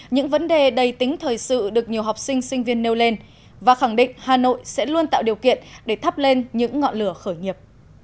những vấn đề đầy tính thời sự được nhiều học sinh sinh viên nêu lên và khẳng định hà nội sẽ luôn tạo điều kiện để thắp lên những ngọn lửa khởi nghiệp